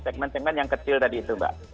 segmen segmen yang kecil tadi itu mbak